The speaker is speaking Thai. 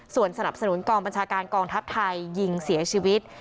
ส่วนสนับสนุนกองบัญชาการกองทัพไทยยิงเสียชีวิต